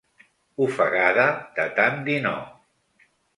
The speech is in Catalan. Ofegada de tant dir no.